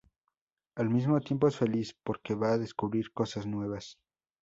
Al mismo tiempo es feliz, porque va a descubrir cosas nuevas.